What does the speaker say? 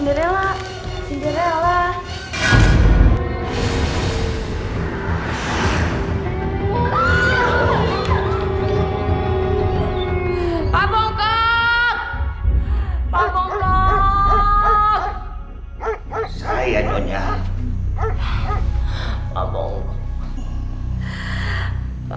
perkenalkan saya rt